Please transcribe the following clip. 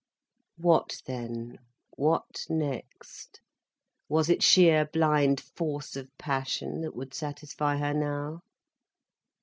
What then, what next? Was it sheer blind force of passion that would satisfy her now?